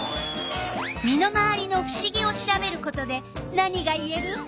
身の回りのふしぎを調べることで何がいえる？